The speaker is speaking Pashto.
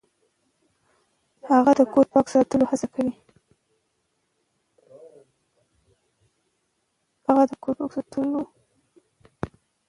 هغه د کور پاک ساتلو هڅه کوي.